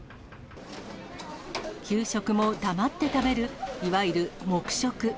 給食も黙って食べるいわゆる黙食。